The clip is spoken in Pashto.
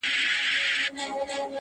تسلیم کړي یې خانان او جنرالان وه-